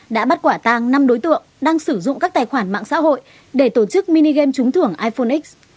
đã bắt quả tàng năm đối tượng đang sử dụng các tài khoản mạng xã hội để tổ chức minigame trúng thưởng iphone x